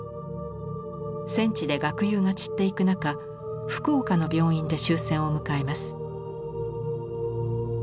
戦地で学友が散っていく中福岡の病院で終戦を迎えます。